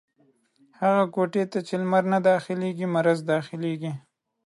هغي کوټې ته چې لمر نه داخلېږي ، مرض دا خلېږي.